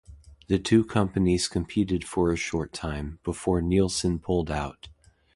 The two companies competed for a short time, before Nielsen pulled out.